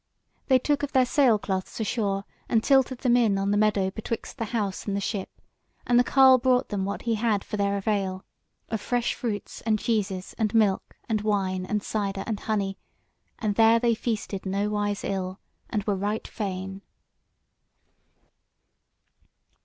They took of their sail cloths ashore and tilted them in on the meadow betwixt the house and the ship, and the carle brought them what he had for their avail, of fresh fruits, and cheeses, and milk, and wine, and cyder, and honey, and there they feasted nowise ill, and were right fain.